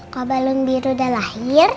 kalau balon biru udah lahir